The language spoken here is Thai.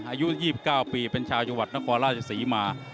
อายุ๒๙ปีเป็นชาวจังหวัดนครราชศรีมา